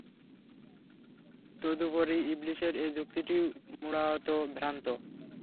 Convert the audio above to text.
তদুপরি ইবলীসের এ যুক্তিটিই মূলত ভ্রান্ত।